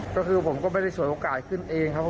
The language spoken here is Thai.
ก็คือผมก็ไม่ได้ฉวยโอกาสขึ้นเองครับ